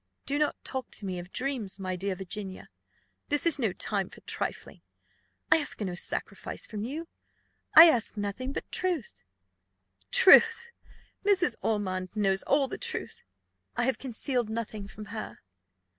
"Do not talk to me of dreams, my dear Virginia; this is no time for trifling; I ask no sacrifice from you I ask nothing but truth." "Truth! Mrs. Ormond knows all the truth: I have concealed nothing from her."